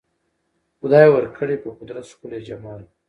خدای ورکړی په قدرت ښکلی جمال وو